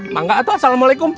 mangga atuh assalamualaikum